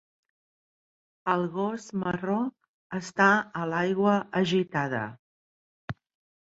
El gos marró està a l'aigua agitada.